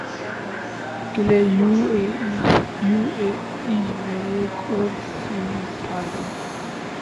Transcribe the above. قلعے U A E میں ایک اور سیریز ہار گیا